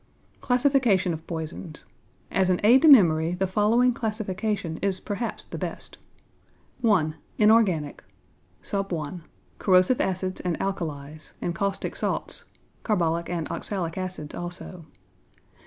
=Classification of Poisons.= As an aid to memory, the following classification is perhaps the best: I. Inorganic. 1. Corrosive acids and alkalies, and caustic salts (carbolic and oxalic acids also).